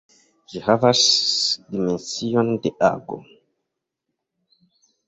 Ĝi havas dimension de ago.